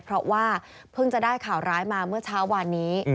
เพิ่งจะได้ข่าวร้ายมาเมื่อเช้าวันนี้